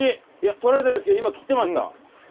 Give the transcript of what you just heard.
取られてないですけど今きてました。